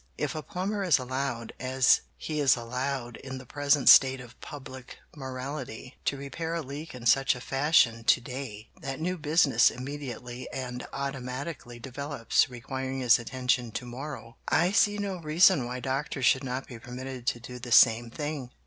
If a plumber is allowed, as he is allowed in the present state of public morality, to repair a leak in such a fashion to day that new business immediately and automatically develops requiring his attention to morrow, I see no reason why doctors should not be permitted to do the same thing.